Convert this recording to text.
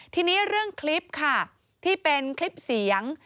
ทีนี้เรื่องคลิปค่ะที่เป็นคลิปเสียง